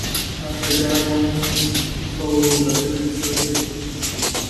他是家中透过婚姻生产的四个孩子中最小的。